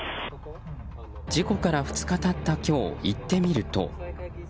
事故から２日経った今日行ってみると。